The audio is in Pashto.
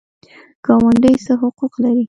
ګاونډي څه حقوق لري؟